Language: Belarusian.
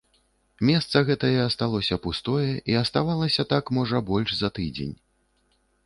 Месца гэтае асталося пустое і аставалася так, можа, больш за тыдзень.